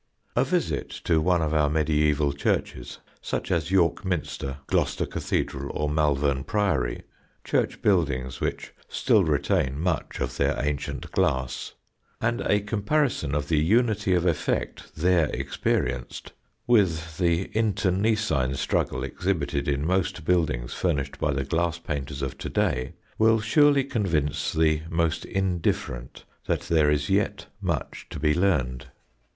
A visit to one of our mediæval churches, such as York Minster, Gloucester Cathedral, or Malvern Priory, church buildings, which still retain much of their ancient glass, and a comparison of the unity of effect there experienced with the internecine struggle exhibited in most buildings furnished by the glass painters of to day, will surely convince the most indifferent that there is yet much to be learned.